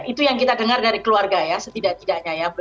itu yang kita dengar dari keluarga ya setidak tidaknya ya